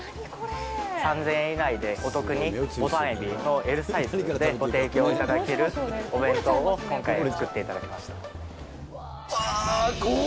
３０００円以内でお得にボタンエビのＬサイズでご提供いただけるお弁当を今回、作っていただきました。